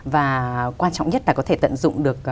và quan trọng nhất là có thể tận dụng được